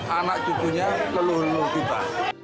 anak cucunya telur lur kita